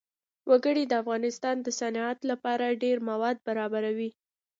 وګړي د افغانستان د صنعت لپاره ډېر مواد برابروي.